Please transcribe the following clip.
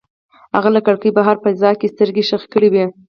هغه له کړکۍ بهر په فضا کې سترګې ښخې کړې وې.